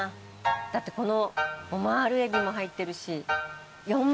だってこのオマールえびも入ってるし。